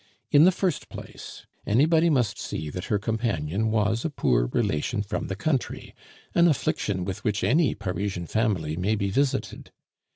In the first place, anybody must see that her companion was a poor relation from the country, an affliction with which any Parisian family may be visited.